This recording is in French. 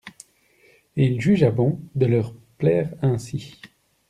Et il jugea bon de leur plaire ainsi.